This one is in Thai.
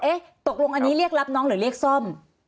ตกลงอันนี้เรียกรับน้องหรือเรียกซ่อม